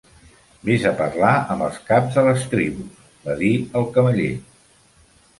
"Ves a parlar amb els caps de les tribus", va dir el cameller.